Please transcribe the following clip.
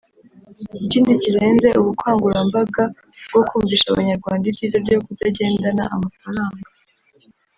Ikindi kirenze ubukangurambaga bwo kumvisha Abanyarwanda ibyiza byo kutagendana amafaranga